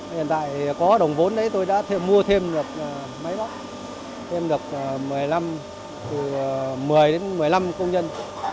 hiện tại có đồng vốn đấy tôi đã mua thêm được mấy lắm thêm được một mươi một mươi năm công nhân